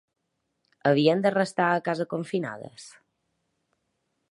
Havien de restar a casa confinades?